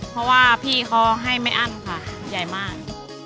เพราะว่าพี่เขาให้ไม่อั้นค่ะใหญ่มาก